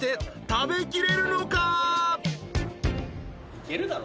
いけるだろ。